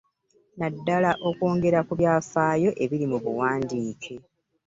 Naddala okwongera ku byafaayo ebiri mu buwandiike